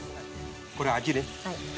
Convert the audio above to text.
これ味ね。